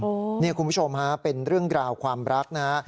คุณผู้ชมฮะเป็นเรื่องราวความรักนะฮะ